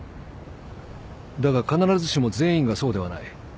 だが必ずしも全員がそうではない。